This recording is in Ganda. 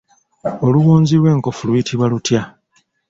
Oluwonzi lw'enkofu luyitibwa lutya?